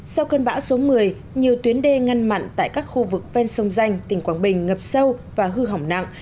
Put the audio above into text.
sau cơn bão số một mươi nhiều tuyến đê ngăn mặn tại các khu vực ven sông danh tỉnh quảng bình ngập sâu và hư hỏng nặng